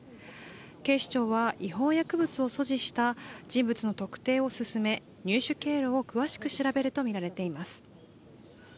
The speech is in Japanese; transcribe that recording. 警視庁は違法薬物を所持した人物の特定を進め入手経路を詳しく調べるとみられています。